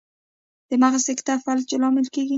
د مغز سکته فلج لامل کیږي